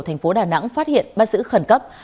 thành phố đà nẵng phát hiện bắt giữ khẩn cấp